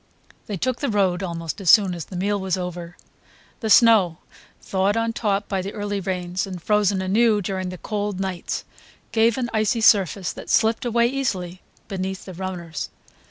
They took the road almost as soon as the meal was over. The snow, thawed on top by the early rains, and frozen anew during the cold nights, gave an icy surface that slipped away easily beneath the runners.